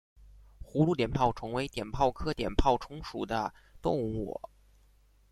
葫芦碘泡虫为碘泡科碘泡虫属的动物。